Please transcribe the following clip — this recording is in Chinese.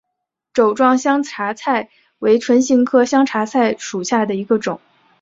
帚状香茶菜为唇形科香茶菜属下的一个种。